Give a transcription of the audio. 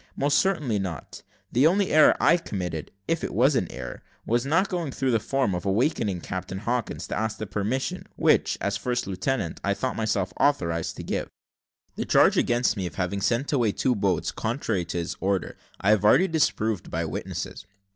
Most certainly not. The only error I committed, if it were an error, was not going through the form, of awaking Captain Hawkins, to ask the permission, which, as first lieutenant, I thought myself authorised to give. "The charge against me, of having sent away two boats, contrary to his order, I have already disproved by witnesses.